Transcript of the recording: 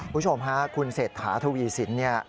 ผู้ชมค่ะคุณเศรษฐาทวีศิลป์เนี่ย